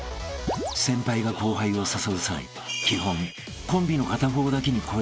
［先輩が後輩を誘う際基本コンビの片方だけに声を掛け